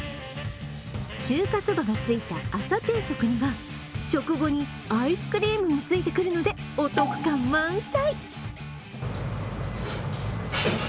中華そばがついた朝定食には食後にアイスクリームも付いてくるので、お得感満載。